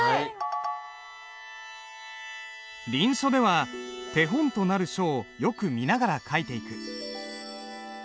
臨書では手本となる書をよく見ながら書いていく。